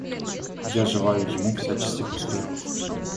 Я желаю ему всяческих успехов.